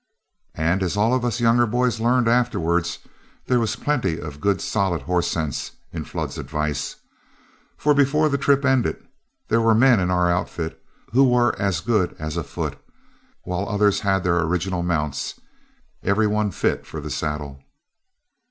And as all of us younger boys learned afterward, there was plenty of good, solid, horse sense in Flood's advice; for before the trip ended there were men in our outfit who were as good as afoot, while others had their original mounts, every one fit for the saddle.